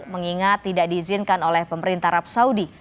mengingat tidak diizinkan oleh pemerintah arab saudi